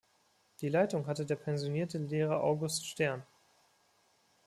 Die Leitung hatte der pensionierte Lehrer August Stern.